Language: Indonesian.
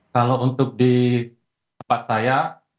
kalau untuk di tempat saya